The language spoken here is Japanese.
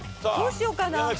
どうしようかな。